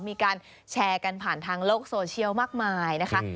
มีการแชร์กันผ่านทางโลกโซเชียลมากมายนะคะ